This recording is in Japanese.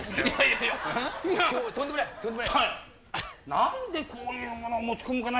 何でこういうものを持ち込むかな